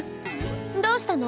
どうしたの？